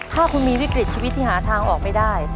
ถ้าคุณมีวิกฤตชีวิตที่หาทางออกไม่ได้